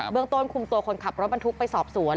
เมืองต้นคุมตัวคนขับรถบรรทุกไปสอบสวน